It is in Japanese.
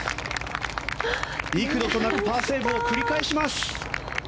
幾度となくパーセーブを繰り返します！